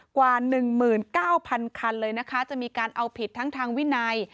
กว่า๑๙๐๐คันเลยนะคะจะมีการเอาผิดทั้งทางวินัย